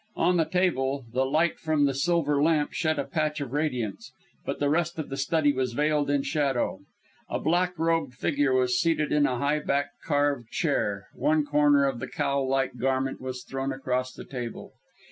On the table the light from the silver lamp shed a patch of radiance, but the rest of the study was veiled in shadow. A black robed figure was seated in a high backed, carved chair; one corner of the cowl like garment was thrown across the table.